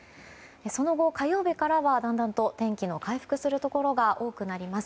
その後、火曜日からはだんだんと天気が回復するところが多くなります。